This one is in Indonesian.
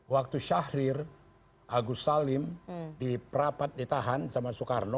waktu syahrir agus salim di perapat ditahan sama soekarno